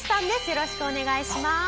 よろしくお願いします。